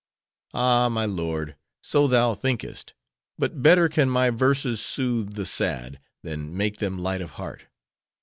"Ah, my lord, so thou thinkest. But better can my verses soothe the sad, than make them light of heart.